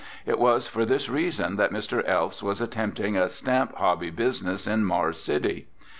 It was for this reason that Mr. Elfs was attempting a stamp hobby business in Mars City.